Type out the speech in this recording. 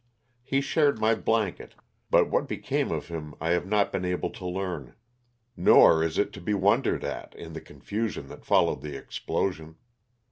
He shared my blanket, but what became of him I have not been able to learn, nor is it to be wondered at in the confusion that followed the ex plosion.